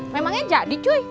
memangnya jadi cuy